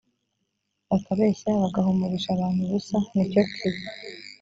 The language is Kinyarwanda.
bakabeshya bagahumurisha abantu ubusa ni cyo kibi